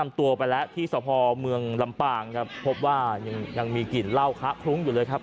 ตัวไปแล้วที่สพเมืองลำปางครับพบว่ายังยังมีกลิ่นเหล้าคะคลุ้งอยู่เลยครับ